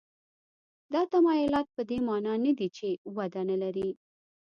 دا تمایلات په دې معنا نه دي چې وده نه لري.